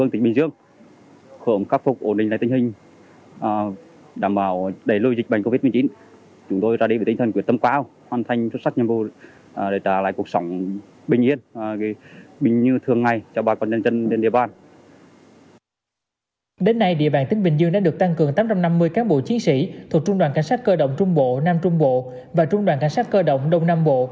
thuộc trung đoàn cảnh sát cơ động trung bộ nam trung bộ và trung đoàn cảnh sát cơ động đông nam bộ